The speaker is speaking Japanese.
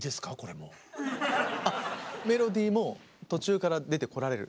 あっ「メロディー」も途中から出てこられる？